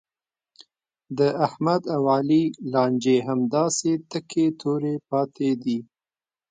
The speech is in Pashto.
د احمد او علي لانجې همداسې تکې تورې پاتې دي.